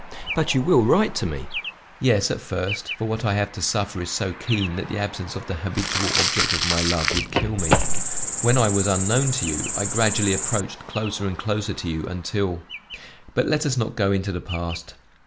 "But you will write to me?" "Yes, at first, for what I have to suffer is so keen that the absence of the habitual object of my love would kill me. When I was unknown to you, I gradually approached closer and closer to you until but let us not go into the past.